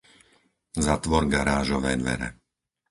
Zatvor garážové dvere.